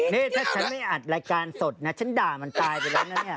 นี่ถ้าฉันไม่อัดรายการสดนะฉันด่ามันตายไปแล้วนะเนี่ย